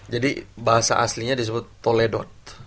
jadi bahasa aslinya disebut toledot